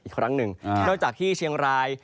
อีกครั้งหนึ่งนอกจากที่เชียงราย